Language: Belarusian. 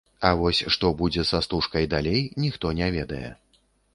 А вось што будзе са стужкай далей, ніхто не ведае.